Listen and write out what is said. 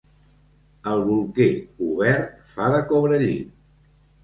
El bolquer, obert, fa de cobrellit.